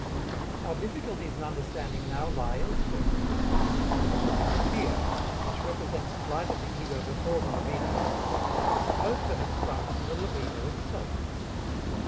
Our difficulties in understanding now lie elsewhere. The fear, which represents flight of the ego before the libido, is supposed to have sprung from the libido itself.